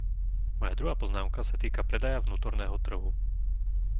Moja druhá poznámka sa týka predaja vnútorného trhu.